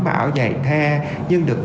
áo dài the nhưng được